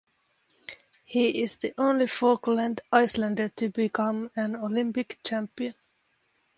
He is the only Falkland Islander to become an Olympic champion.